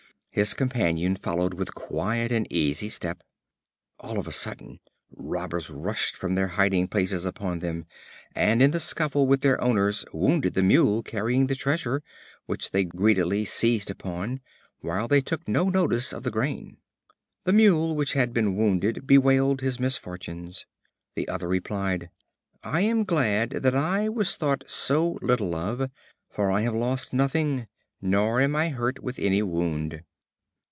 His companion followed with quiet and easy step. All on a sudden Robbers rushed from their hiding places upon them, and in the scuffle with their owners wounded the Mule carrying the treasure, which they greedily seized upon, while they took no notice of the grain. The Mule which had been wounded bewailed his misfortunes. The other replied: "I am glad that I was thought so little of, for I have lost nothing, nor am I hurt with any wound."